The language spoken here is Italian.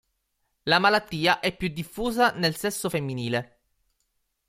La malattia è più diffusa nel sesso femminile.